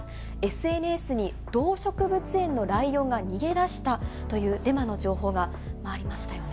ＳＮＳに動植物園のライオンが逃げ出したというデマの情報が回りましたよね。